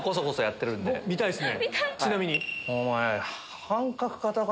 見たいですね。